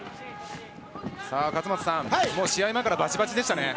勝俣さん、試合前からバチバチでしたね。